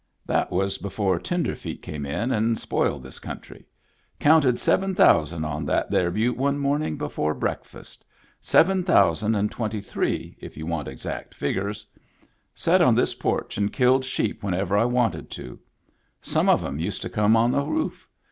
That was before tenderfeet came in and spoiled this country. Counted seven thousand on. that there butte one morning before breakfast. Seven thousand and twenty three, if you want exact figgers. Set on this porch and killed sheep whenever I wanted to. Some of 'em used to come on the roof.